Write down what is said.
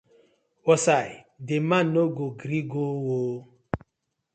Wosai di man no go gree go ooo.